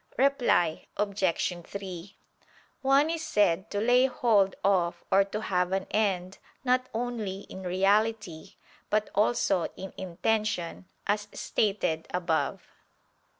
Reply Obj. 3: One is said to lay hold of or to have an end, not only in reality, but also in intention, as stated above.